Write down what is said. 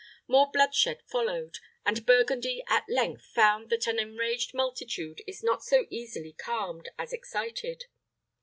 More bloodshed followed; and Burgundy at length found that an enraged multitude is not so easily calmed as excited.